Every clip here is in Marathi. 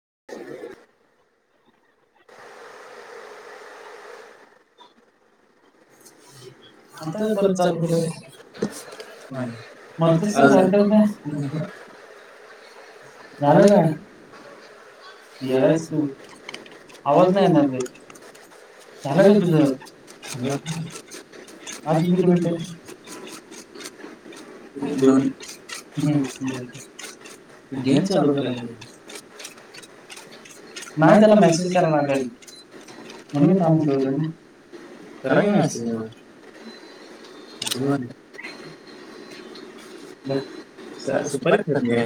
[inaudible] आता का, परत चालू केलयं. [unintelligible] झालं कायं येडा आहेस काय आवाज नाही येणार काय? झालं का तुझ, अजून नेट नाही किती मिनट आहे. दोन गेम चालू करायची. मायतला मेसेज कराग म्हणी थां करा की मॅसेज. [unintelligible] मग सुपारी फोडली.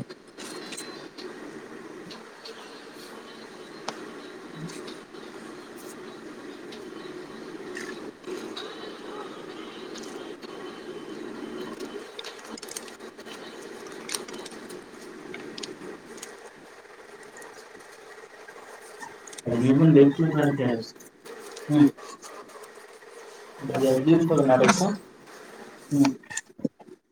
[inaudible] म्हणजे. [unintelligible]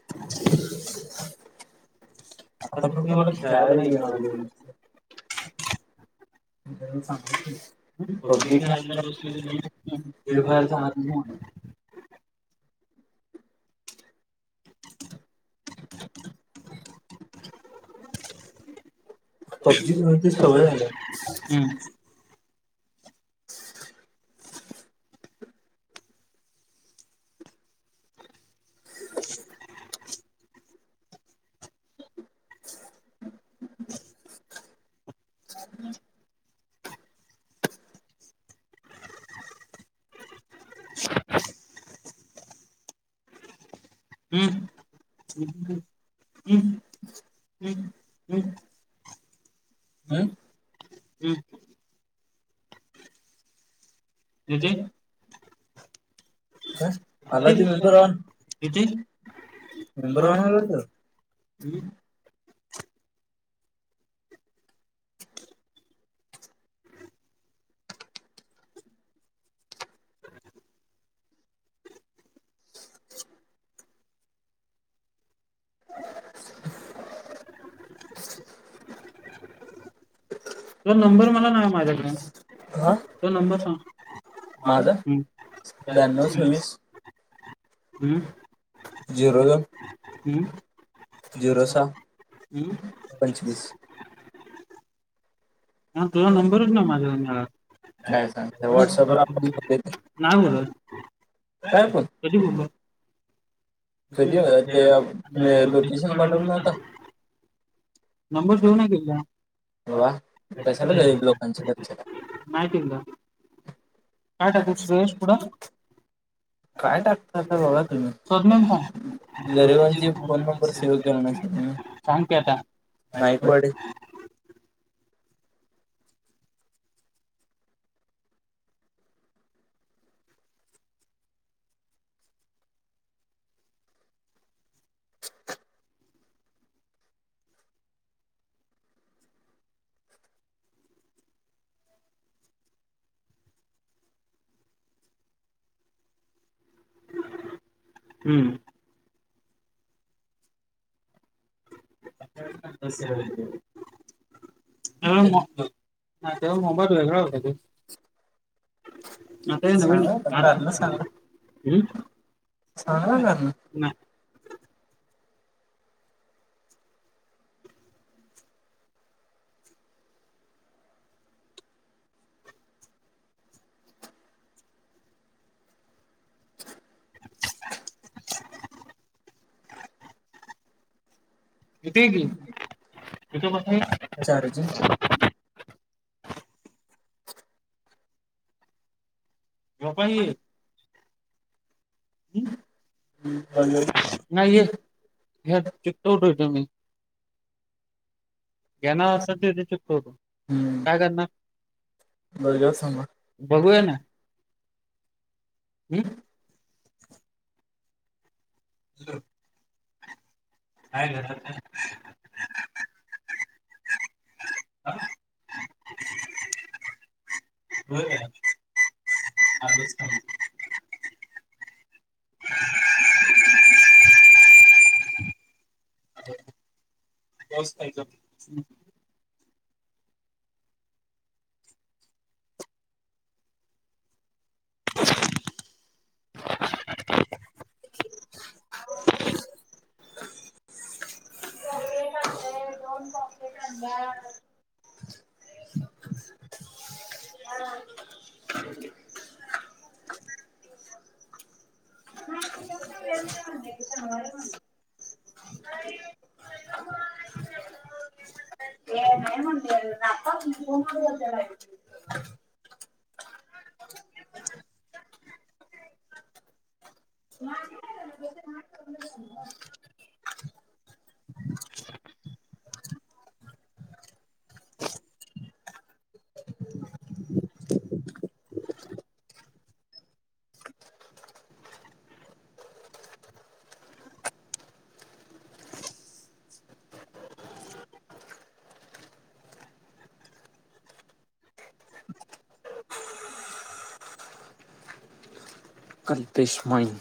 [unintelligible] तुम्हाला खेळाला नाही येणार आज. [unintelligible] [unintelligible] पबजी खेळून ती सवय झाल्या. [unintelligible] कायं. आला की मेंबर ऑन, मेंबर ऑन आला तर. [unintelligible] तुझा नंबर मला नाही माझ्याकड, तुझा नंबर सांग. माझा- हम् झिरो दोन- हम् झिरो, सहा, पंचवीस. हा तुझा नंबरच नाय माझ्याकड, खरच. व्हॉटसॲपवर आपण बोलतोय की, नाय बोलत. कायपण. ते लोकेशन पाठवल नव्हतं? नंबर सेव्ह नाही तुझा, नाय केलेला. काय टाकु सुरेश पुढं- काय टाकता आता बगा- सर नेम सांग? सांग की आता. नायकवाडे. बस- हा तेव्हा मोबाईल वेगळा होता तो. आता ह्यो नवीन हाय. ह सांगा कारण. इथ यी की. चार्जिंग हं पाल- नाहीय.. ह्या चिकटवतो इथ मी. घेनार असाल तर इथ चिकटवतो, काय करणार. बर सांगा. बघूया ना. हम्म. हं हाय ना [inaudible] व्हायला काय आलोच थांब. [inaudible] बस काय तर [inaudible] दोन कॉफी करणार. [inaudible] अल्पेश माईन